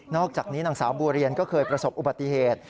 อกจากนี้นางสาวบัวเรียนก็เคยประสบอุบัติเหตุ